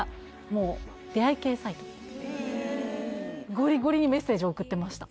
ゴリゴリにメッセージ送ってました